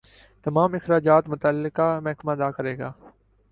تمام اخراجات متعلقہ محکمہ ادا کرے گا۔